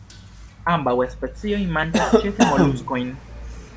Ambaŭ specioj manĝas ĉefe moluskojn.